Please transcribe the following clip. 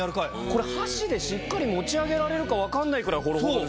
これ箸でしっかり持ち上げられるか分かんないくらいホロホロですね。